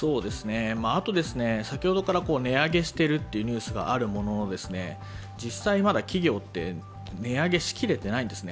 あと、先ほどから値上げしているというニュースがあるものの、実際、まだ企業は値上げしきれてないんですね。